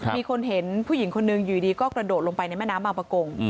มีคนเห็นผู้หญิงคนหนึ่งอยู่ดีก็กระโดดลงไปในแม่น้ำบางประกง